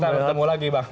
kita bertemu lagi bang